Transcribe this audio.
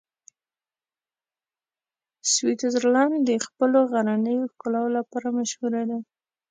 سویټزرلنډ د خپلو غرنیو ښکلاوو لپاره مشهوره دی.